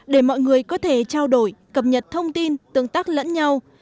để mọi người có thể trao đổi cập nhật thông tin tương tác lẫn nhau